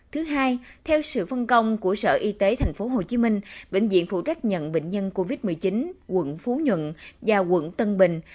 thứ hai theo sự phân công của sở y tế tp hcm bệnh viện phụ trách nhận bệnh nhân covid một mươi chín quận phú nhuận và quận tân bình